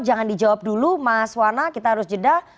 jangan dijawab dulu mas wana kita harus jeda